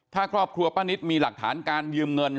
ถ้าครอบครัวป้านิตมีหลักฐานการยืมเงิน